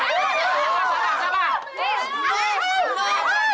siapa siapa siapa